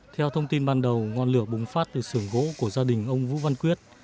theo thông tin ban đầu ngọn lửa bùng phát từ sưởng gỗ của gia đình ông vũ văn quyết